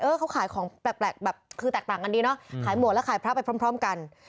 เขาขายของแปลกแบบคือแตกต่างกันดีเนาะขายหมวกแล้วขายพระไปพร้อมกัน